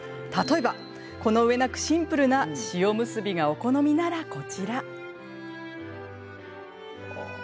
例えばこのうえなくシンプルな塩むすびがお好みならこちら。